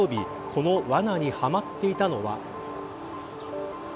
このわなにはまっていったのは。